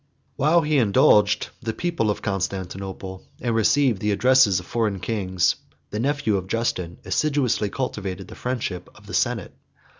While he indulged the people of Constantinople, and received the addresses of foreign kings, the nephew of Justin assiduously cultivated the friendship of the senate.